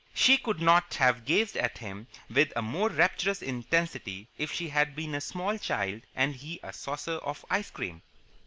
She could not have gazed at him with a more rapturous intensity if she had been a small child and he a saucer of ice cream.